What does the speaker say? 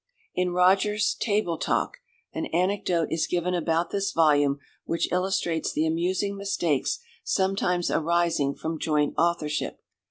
In Rogers's Table Talk an anecdote is given about this volume which illustrates the amusing mistakes sometimes arising from joint authorship.